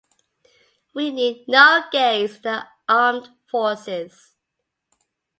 We need no gays in our armed forces.